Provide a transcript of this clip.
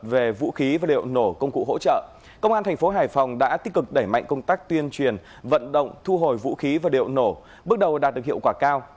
về vũ khí và liệu nổ công cụ hỗ trợ công an thành phố hải phòng đã tích cực đẩy mạnh công tác tuyên truyền vận động thu hồi vũ khí và liệu nổ bước đầu đạt được hiệu quả cao